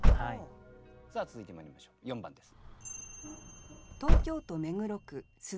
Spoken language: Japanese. さあ続いてまいりましょう４番です。